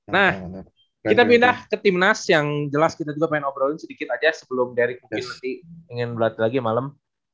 nah kita pindah ke timnas yang jelas kita juga pengen obrolin sedikit aja sebelum dery mungkin nanti ingin berlatih lagi malam